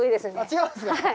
違うんですか？